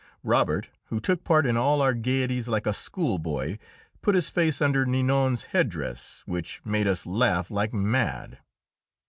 Robert, who took part in all our gaieties like a schoolboy, put his face under Ninon's head dress, which made us laugh like mad.